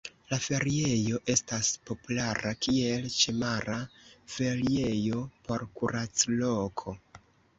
La feriejo estas populara kiel ĉemara feriejo por kuracloko.